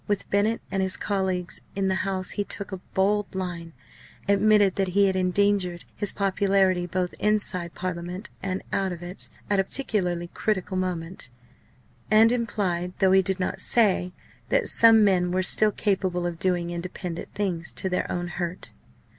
With Bennett and his colleagues in the House he took a bold line; admitted that he had endangered his popularity both inside Parliament and out of it at a particularly critical moment; and implied, though he did not say, that some men were still capable of doing independent things to their own hurt.